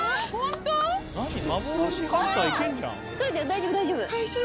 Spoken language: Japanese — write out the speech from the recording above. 大丈夫大丈夫。